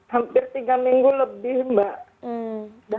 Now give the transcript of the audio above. hampir tiga minggu lebih mbak